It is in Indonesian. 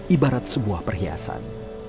ibarat sebuah perhiasan